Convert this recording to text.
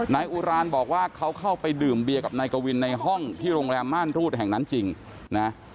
นายอุรานบอกว่าเขาเข้าไปดื่มเบียกับนายกวินในห้องที่โรงแรมม่านรูดแห่งนั้นจริงนะ